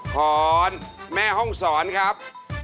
ขอนแม่ห้องศรครับ